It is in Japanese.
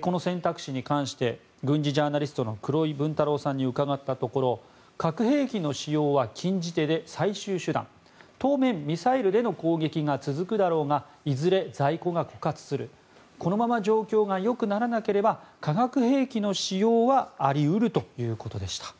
この選択肢に関して軍事ジャーナリストの黒井文太郎さんに伺ったところ核兵器の使用は禁じ手で最終手段当面、ミサイルでの攻撃が続くだろうがいずれ在庫が枯渇するこのまま状況がよくならなければ化学兵器の使用はあり得るということでした。